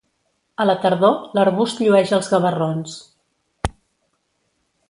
A la tardor, l'arbust llueix els gavarrons.